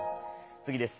次です。